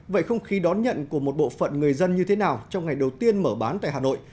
vậy không khí đón nhận của một bộ phận người dân như thế nào trong ngày đầu tiên mở bán tại hà nội